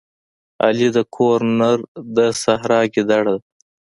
علي د کور نر د سحرا ګیدړه ده.